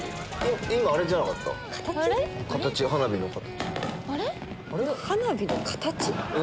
花火の形？